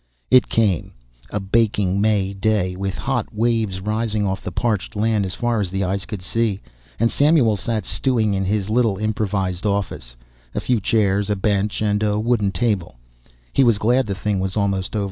It came a baking May day, with hot wave rising off the parched land as far as eyes could see, and as Samuel sat stewing in his little improvised office a few chairs, a bench, and a wooden table he was glad the thing was almost over.